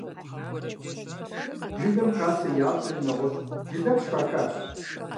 Жылэм хасэ ящӀри нэгъуэщӀ жылэпщ хахащ.